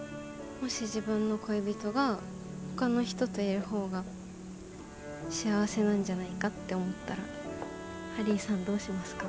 もし自分の恋人がほかの人といる方が幸せなんじゃないかって思ったらハリーさんどうしますか？